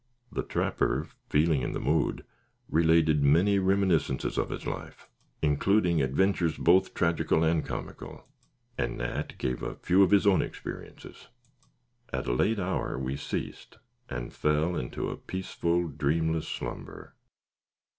The trapper, feeling in the mood, related many reminiscences of his life, including adventures both tragical and comical, and Nat gave a few of his own experiences. At a late hour we ceased, and fell into a peaceful, dreamless slumber.